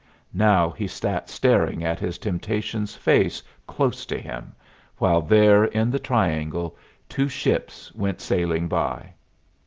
Now he sat staring at his temptation's face, close to him, while there in the triangle two ships went sailing by.